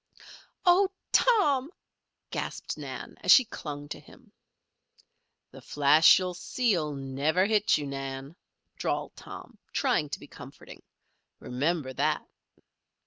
"Oh, Tom!" gasped Nan, as she clung to him. "The flash you see'll never hit you, Nan," drawled Tom, trying to be comforting. "Remember that."